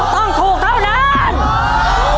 ต้องถูกเท่านั้น